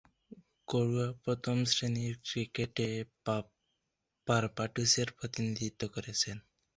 ঘরোয়া প্রথম-শ্রেণীর ক্রিকেটে বার্বাডোসের প্রতিনিধিত্ব করেছেন।